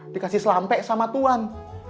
dikasih selampek sama tuan